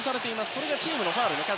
これがチームのファウルの数。